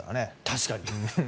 確かに。